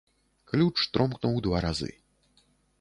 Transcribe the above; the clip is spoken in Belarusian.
Ключ тромкнуў два разы.